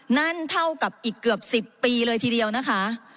นั่นเท่ากับอีกเกือบ๑๐ปีเลยทีเดียวนะคะ